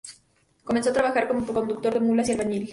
Comenzó a trabajar como conductor de mulas y albañil.